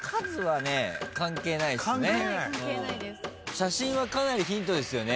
写真はかなりヒントですよね。